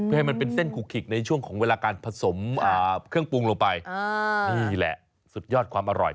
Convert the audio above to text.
เพื่อให้มันเป็นเส้นคูขิกในช่วงของเวลาการผสมเครื่องปรุงลงไปนี่แหละสุดยอดความอร่อย